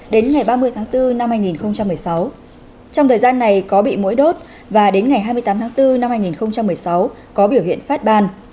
đến ngày ba mươi tháng bốn năm hai nghìn một mươi sáu trong thời gian này có bị mũi đốt và đến ngày hai mươi tám tháng bốn năm hai nghìn một mươi sáu có biểu hiện phát ban